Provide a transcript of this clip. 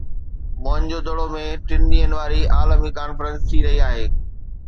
موئن جو دڙو ۾ ٽن ڏينهن واري عالمي ڪانفرنس ٿي رهي آهي